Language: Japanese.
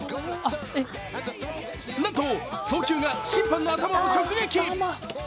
なんと、送球が審判の頭を直撃。